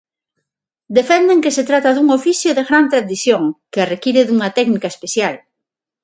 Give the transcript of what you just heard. Defenden que se trata dun oficio de gran tradición, que require dunha técnica especial.